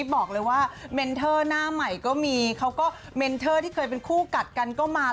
บอกเลยว่าเมนเทอร์หน้าใหม่ก็มีเขาก็เมนเทอร์ที่เคยเป็นคู่กัดกันก็มา